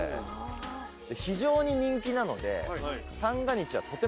非常に人気なので。